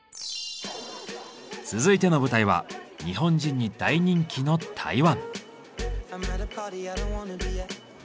続いての舞台は日本人に大人気の台湾。